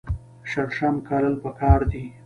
شړشم کرل پکار دي.